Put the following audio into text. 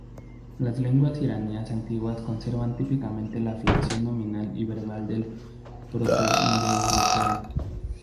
Las lenguas iranias antiguas conservan típicamente la flexión nominal y verbal del proto-indoeuropeo.